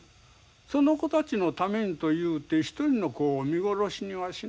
その子たちのためにというて一人の子を見殺しにはしないでしょう。